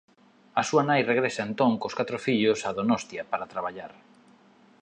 A súa nai regresa entón cos catro fillos a Donostia para traballar.